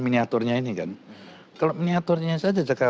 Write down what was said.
miniaturnya ini kan kalau miniaturnya saja